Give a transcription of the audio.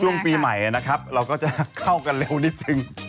ช่วงปีใหม่เราก็จะเข้ากันเร็วนิดหนึ่ง